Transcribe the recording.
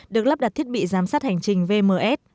được lắp đặt thiết bị giám sát hành trình vms